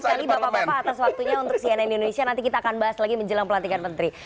sekali bapak bapak atas waktunya untuk cnn indonesia nanti kita akan bahas lagi menjelang pelantikan menteri